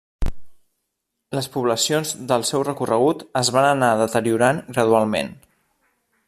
Les poblacions del seu recorregut es van anar deteriorant gradualment.